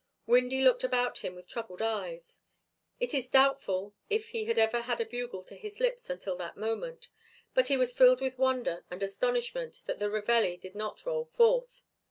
Windy looked about him with troubled eyes. It is doubtful if he had ever had a bugle to his lips until that moment, but he was filled with wonder and astonishment that the reveille did not roll forth.